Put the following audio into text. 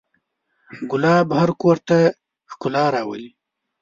ګلاب هر کور ته ښکلا راولي.